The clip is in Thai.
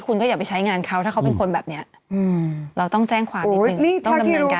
คุณก็อย่าไปใช้งานเขาถ้าเขาเป็นคนแบบนี้เราต้องแจ้งความนิดนึงต้องดำเนินการ